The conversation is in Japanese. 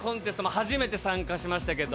初めて参加しましたけど。